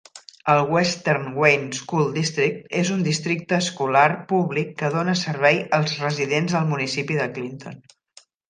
El Western Wayne School District és un districte escolar públic que dóna servei als residents del municipi de Clinton.